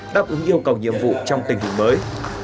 đáp ứng yêu cầu nhiệm vụ trong tình hình mới